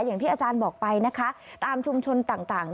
อย่างที่อาจารย์บอกไปนะคะตามชุมชนต่าง